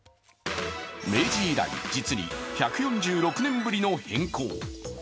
明治以来、実に１４６年ぶりの変更。